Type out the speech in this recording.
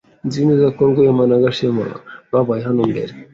Nzi neza ko Rwema na Gashema babaye hano mbere.